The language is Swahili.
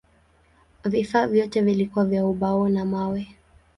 Vifaa vyote vilikuwa vya ubao na mawe.